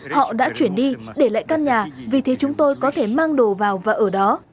họ đã chuyển đi để lại căn nhà vì thế chúng tôi có thể mang đồ vào và ở đó